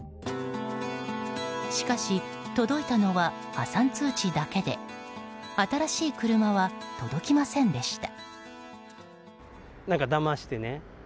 しかし、届いたのは破産通知だけで新しい車は届きませんでした。